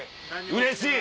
うれしい！